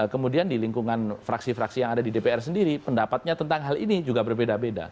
kemudian di lingkungan fraksi fraksi yang ada di dpr sendiri pendapatnya tentang hal ini juga berbeda beda